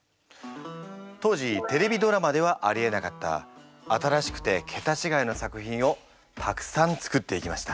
当時テレビドラマではありえなかった新しくてけたちがいの作品をたくさん作っていきました。